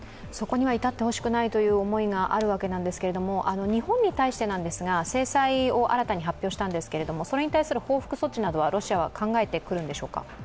そこには至ってほしくないという思いがあるわけですが、日本に対してなんですが、制裁を新たに発表したんですけれどもそれに対する報復措置などはロシアは考えてくるんでしょうか。